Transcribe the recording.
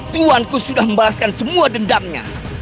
tuhanku sudah membahaskan semua dendamnya